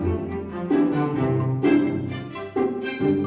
rupanya aku penat bu